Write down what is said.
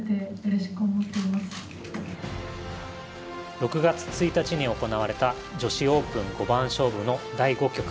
６月１日に行われた女子オープン五番勝負の第５局。